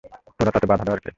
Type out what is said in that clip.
তোরা তাতে বাদা দেওয়ার কে?